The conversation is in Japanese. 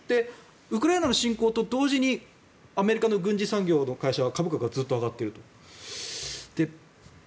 ウクライナの侵攻と同時にアメリカの軍需産業の会社は株価がずっと上がっていると。